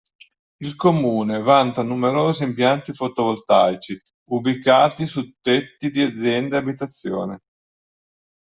Il comune vanta numerosi impianti fotovoltaici ubicati su tetti di aziende e abitazioni.